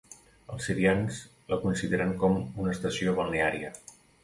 Els sirians la consideren com una estació balneària.